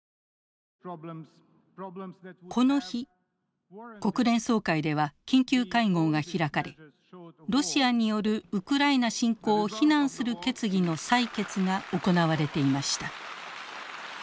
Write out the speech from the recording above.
この日国連総会では緊急会合が開かれロシアによるウクライナ侵攻を非難する決議の採決が行われていました。